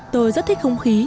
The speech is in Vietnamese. tôi rất thích không khí